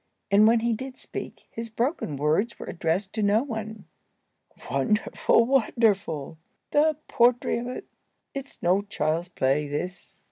And when he did speak, his broken words were addressed to no one. "Wonderful! wonderful! The poetry of 't. It's no child's play, this.